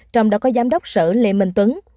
trong đó có giám đốc sở lê minh tuấn